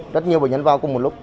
rất nhiều bệnh nhân vào cùng một lúc